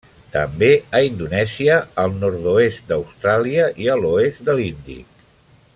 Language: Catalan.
També a Indonèsia, al nord-oest d'Austràlia i a l'oest de l'Índic.